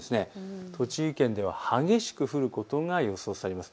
栃木県では激しく降ることが予想されます。